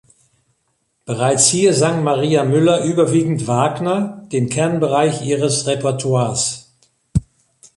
Bereits hier sang Maria Müller überwiegend Wagner, den Kernbereich ihres Repertoires.